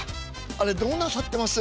あれどうなさってます？